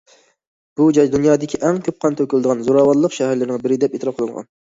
بۇ جاي دۇنيادىكى ئەڭ كۆپ قان تۆكۈلىدىغان زوراۋانلىق شەھەرلىرىنىڭ بىرى دەپ ئېتىراپ قىلىنغان.